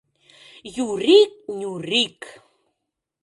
— Юрик-Нюрик!